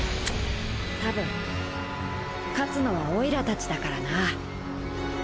たぶん勝つのはオイラたちだからな。